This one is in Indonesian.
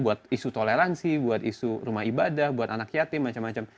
buat isu toleransi buat isu rumah ibadah buat anak yatim macam macam